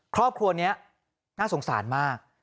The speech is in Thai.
ครอบครัวนี้น่าสงสารมาก